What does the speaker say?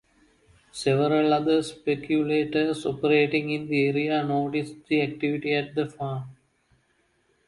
Several other speculators operating in the area noticed the activity at the farm.